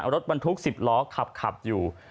รถบรรทุก๑๐ล้อขับอยู่